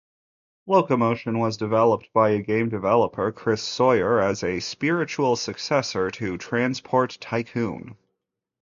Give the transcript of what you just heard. Locomotion was developed by game developer Chris Sawyer as "spiritual successor to "Transport Tycoon".